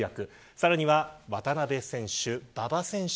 さらには渡邊選手、馬場選手